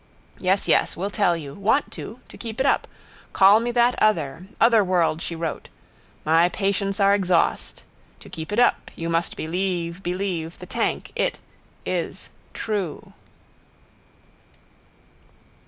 Yes, yes, will tell you. Want to. To keep it up. Call me that other. Other world she wrote. My patience are exhaust. To keep it up. You must believe. Believe. The tank. It. Is. True.